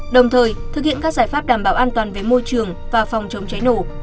đồng thời thực hiện các giải pháp đảm bảo an toàn về môi trường và phòng chống cháy nổ